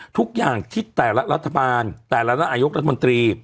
ทุกอย่างที่แต่ละรัฐบาลแต่ละนายกรัฐมนตรี